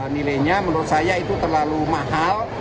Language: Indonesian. nilainya menurut saya itu terlalu mahal